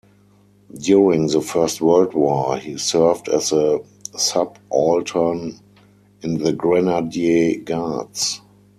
During the First World War he served as a subaltern in the Grenadier Guards.